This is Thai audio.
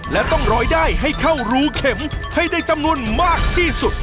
และต้องร้อยได้ให้เข้ารูเข็มให้ได้จำนวนมากที่สุด